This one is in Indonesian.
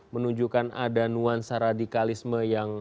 menunjukkan ada nuansa radikalisme yang